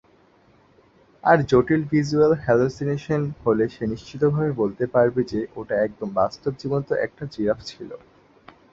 আর জটিল visual hallucination হলে সে নিশ্চিতভাবে বলতে পারবে যে, ওটা একদম বাস্তব জীবন্ত একটা জিরাফ ছিল।